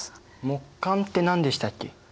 木簡って何でしたっけ？